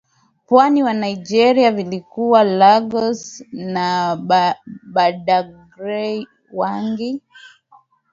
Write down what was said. pwani ya Nigeria vilikuwa Lagos na Badagry Wangi